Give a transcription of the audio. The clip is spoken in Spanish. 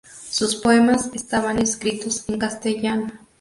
Sus poemas estaban escritos en castellano.